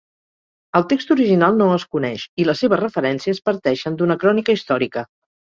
El text original no es coneix, i les seves referències parteixen d'una crònica històrica.